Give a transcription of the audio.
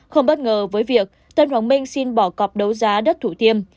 không bất ngờ với việc tân hoàng minh xin bỏ cọp đấu giá đất thủ thiêm